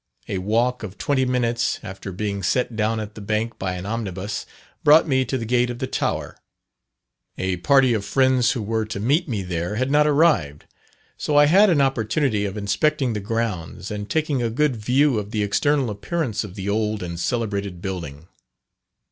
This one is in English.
A walk of twenty minutes, after being set down at the Bank by an omnibus, brought me to the gate of the Tower. A party of friends who were to meet me there had not arrived, so I had an opportunity of inspecting the grounds and taking a good view of the external appearance of the old and celebrated building.